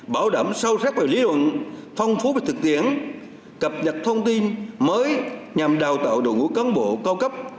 bảo đảm sâu sắc về lý luận phong phú với thực tiễn cập nhật thông tin mới nhằm đào tạo đồ ngũ cán bộ cao cấp